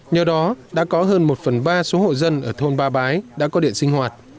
nhờ đó đã có hơn một phần ba số hộ dân ở thôn ba bái đã có điện sinh hoạt